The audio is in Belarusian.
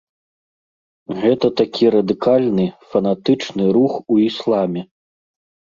Гэта такі радыкальны, фанатычны рух у ісламе.